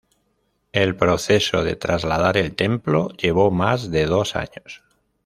El proceso de trasladar el templo llevó más de dos años.